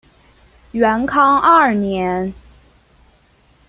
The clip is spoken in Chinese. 元康二年。